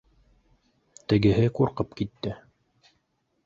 Тегеһе ҡурҡып китте: